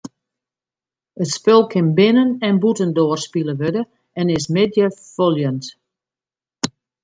It spul kin binnen- en bûtendoar spile wurde en is middeifoljend.